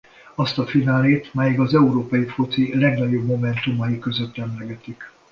Azt a finálét máig az európai foci legnagyobb momentumai között emlegetik.